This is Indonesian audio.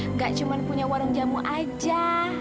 nggak cuma punya warung jamu aja